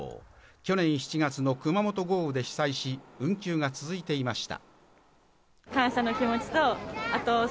去年７月の熊本豪雨で被災し運休が続いていました。